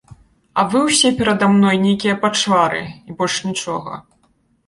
А вы ўсе перада мной нейкія пачвары, і больш нічога.